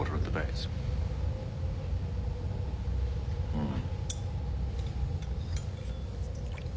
うん。